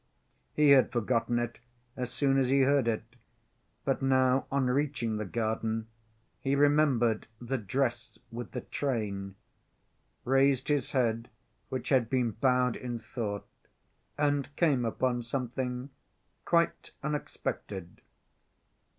He had forgotten it as soon as he heard it, but now, on reaching the garden, he remembered the dress with the train, raised his head, which had been bowed in thought, and came upon something quite unexpected.